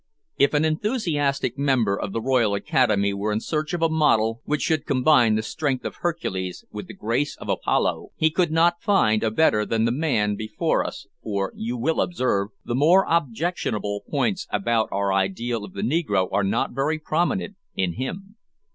If an enthusiastic member of the Royal Academy were in search of a model which should combine the strength of Hercules with the grace of Apollo, he could not find a better than the man before us, for, you will observe, the more objectionable points about our ideal of the negro are not very prominent in him.